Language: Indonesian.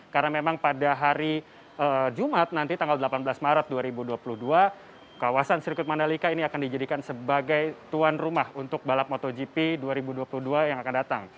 karena memang pada hari jumat nanti tanggal delapan belas maret dua ribu dua puluh dua kawasan sirkuit mandalika ini akan dijadikan sebagai tuan rumah untuk balap motogp dua ribu dua puluh dua yang akan datang